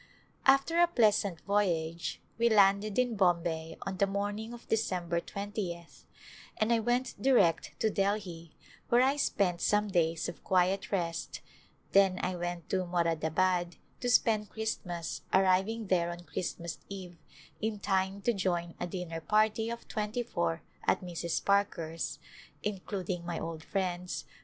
After a pleasant voyage we landed in Bombay on the morning of December 20th and I went direct to Delhi where I spent some days of quiet rest, then I went to Moradabad to spend Christmas arriving there on Christmas eve in time to join a dinner party of twenty four at Mrs. Parker's, including my old friends.